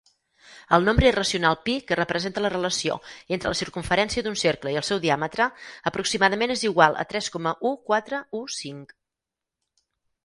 El nombre irracional pi, que representa la relació entre la circumferència d'un cercle i el seu diàmetre, aproximadament és igual a tres coma u, quatre, u, cinc.